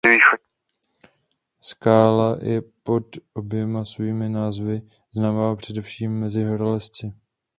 Skála je pod oběma svými názvy známa především mezi horolezci.